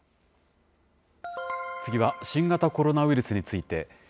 次は新型コロナウイルスについて。